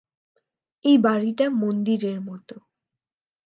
এই বাড়িটা মন্দিরের মতো!